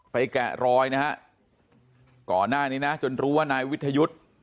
แกะรอยนะฮะก่อนหน้านี้นะจนรู้ว่านายวิทยุทธ์